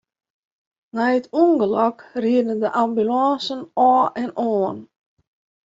Nei it ûngelok rieden de ambulânsen ôf en oan.